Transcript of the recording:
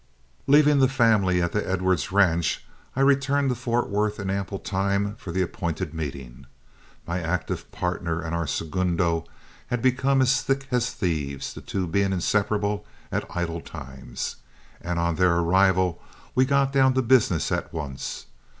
Leaving the family at the Edwards ranch, I returned to Fort Worth in ample time for the appointed meeting. My active partner and our segundo had become as thick as thieves, the two being inseparable at idle times, and on their arrival we got down to business at once.